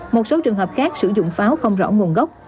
một số trường hợp khác sử dụng pháo không rõ nguồn gốc